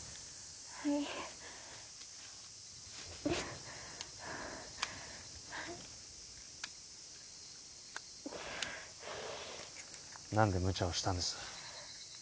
はい何でムチャをしたんです？